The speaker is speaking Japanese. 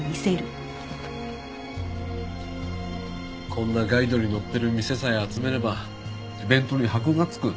こんなガイドに載ってる店さえ集めればイベントに箔が付く。